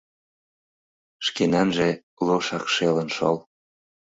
Шкенанже лошак шелын шол».